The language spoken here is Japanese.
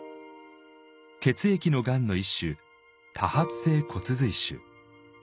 血液のがんの一種「多発性骨髄腫」。